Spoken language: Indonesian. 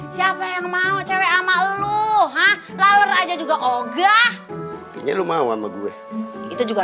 siapa yang mau cewek sama lu ha lalur aja juga oga ini lu mau sama gue itu juga